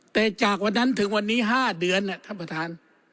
แต่จากวันนั้นถึงวันนี้๕เดือน